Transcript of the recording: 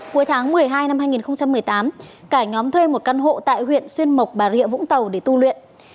cuối tháng một mươi hai năm hai nghìn một mươi tám cả nhóm thuê một căn hộ tại huyện xuyên mộc bà rịa vũng tàu để tu luyện